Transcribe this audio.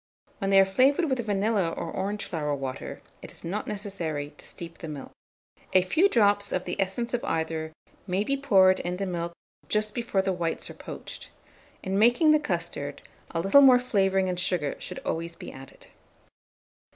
When they are flavoured with vanilla or orange flower water, it is not necessary to steep the milk. A few drops of the essence of either may be poured in the milk just before the whites are poached. In making the custard, a little more flavouring and sugar should always be added.